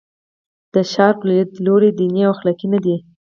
د شارپ لیدلوری دیني او اخلاقي نه دی.